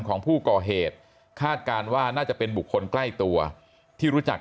ของผู้ก่อเหตุคาดการณ์ว่าน่าจะเป็นบุคคลใกล้ตัวที่รู้จัก